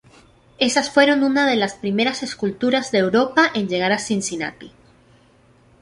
Esas fueron unas de las primeras esculturas de Europa en llegar a Cincinnati.